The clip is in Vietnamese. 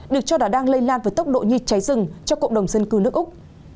được cho đã đang lây lan với tốc độ nhiệt cháy rừng cho cộng đồng dân cư nước úc